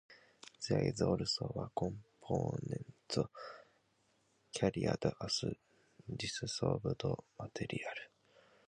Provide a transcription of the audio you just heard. There is also a component carried as dissolved material.